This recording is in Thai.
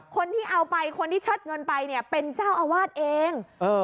คนที่เอาไปคนที่เชิดเงินไปเนี่ยเป็นเจ้าอาวาสเอง